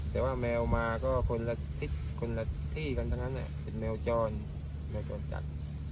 แต่ว่าแมวมาก็คนละทิศคนละที่กันทั้งนั้นเป็นแมวจรแมวจรจัด